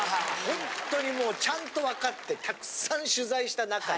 ほんとにもうちゃんと分かってたくさん取材した中で。